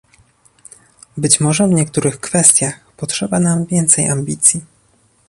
Być może w niektórych kwestiach potrzeba nam więcej ambicji